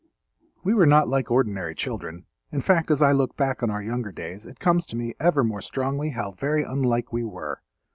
We were not like ordinary children—in fact as I look back on our younger days it comes to me ever more strongly how very unlike we were.